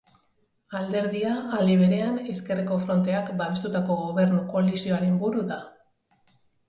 Alderdia, aldi berean, Ezkerreko Fronteak babestutako gobernu koalizioaren buru da.